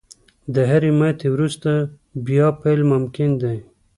• د هرې ماتې وروسته، بیا پیل ممکن دی.